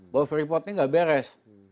both report nya nggak beres